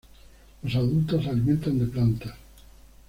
Los adultos se alimentan de plantas.